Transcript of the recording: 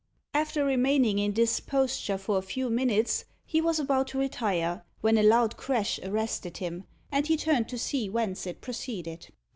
After remaining in this posture for a few minutes, he was about to retire, when a loud crash arrested him, and he turned to see whence it proceeded.